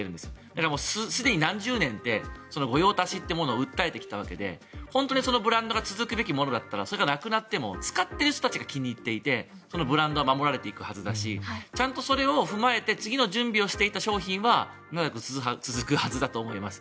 だから、すでに何十年って御用達というものを訴えてきたわけで本当にそのブランドが続くべきものだったらそれがなくなっても使っている人たちが気に入っていてそのブランドは守られていくはずだしちゃんとそれを踏まえて次の準備をしていた商品は長く続くはずだと思います。